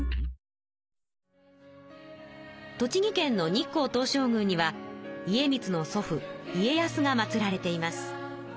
栃木県の日光東照宮には家光の祖父家康が祭られています。